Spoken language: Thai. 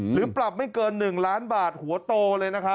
หรือปรับไม่เกิน๑ล้านบาทหัวโตเลยนะครับ